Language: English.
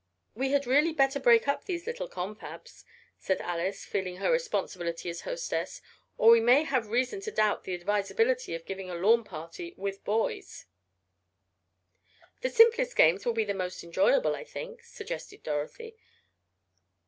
"We had really better break up these little confabs," said Alice, feeling her responsibility as hostess, "or we may have reason to doubt the advisability of giving a lawn party with boys." "The simplest games will be the most enjoyable, I think," suggested Dorothy.